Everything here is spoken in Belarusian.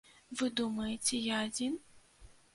Вы думаеце я адзін?